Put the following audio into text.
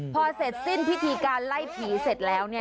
พอเสร็จสิ้นพิธีการไล่ผีเสร็จแล้วเนี่ย